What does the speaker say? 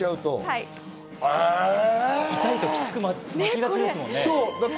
痛いときつく巻きがちですもんね。